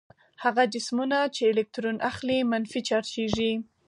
هغه جسمونه چې الکترون اخلي منفي چارجیږي.